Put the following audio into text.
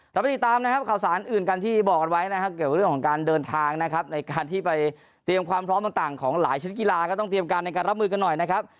เราไปติดตามนะครับข่าวสารอื่นกันที่บอกกันไว้นะครับเกี่ยวกับเรื่องของการเดินทางนะครับในการที่ไปเตรียมความพร้อมต่างของหลายชนิดกีฬาก็ต้องเตรียมการในการรับมือกันหน่อยนะครับ